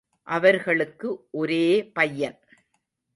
அவர்களுக்கு ஒரே பையன்.